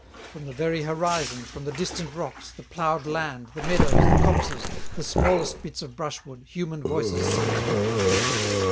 From the very horizon, from the distant rocks, the ploughed land, the meadows, the copses, the smallest bits of brushwood, human voices seemed to come.